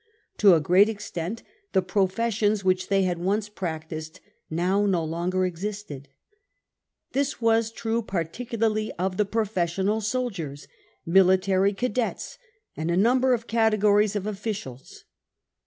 To a great extent the professions which they had once practised now no longer existed. This was true particularly of the profes sional soldiers, military cadets and a number of categories of officials.